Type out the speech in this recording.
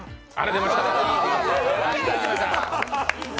出ました！